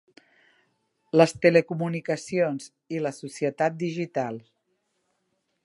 Les telecomunicacions i la societat digital.